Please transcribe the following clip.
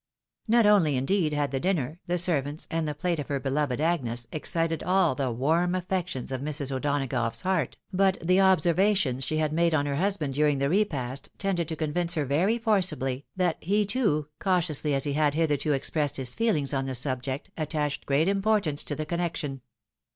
Not only, indeed, had the dinner, the servants, and the plate of her beloved Agnes, excited all the warm affections of Mrs. O'Donagough's heart, but the observations she had made 122 THE WIDOW MARRIED. on her husband during the repast, tended to convince her very forcibly, that he, too, cautiously as he had hitherto expressed his feelings on the subject, attached great importance to the connection.